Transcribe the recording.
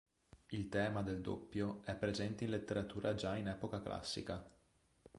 Il tema del doppio è presente in letteratura già in epoca classica.